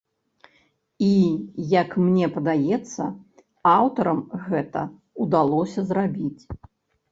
І як мне падаецца, аўтарам гэта ўдалося зрабіць.